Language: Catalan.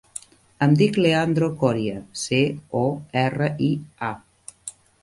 Em dic Leandro Coria: ce, o, erra, i, a.